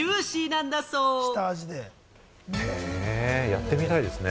へぇ、やってみたいですね。